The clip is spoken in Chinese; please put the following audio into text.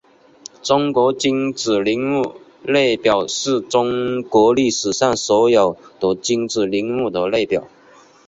中国君主陵墓列表是中国历史上所有的君主陵墓的列表。